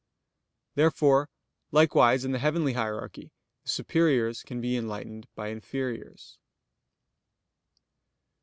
Therefore, likewise in the heavenly hierarchy, the superiors can be enlightened by inferiors.